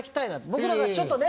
僕らがちょっとね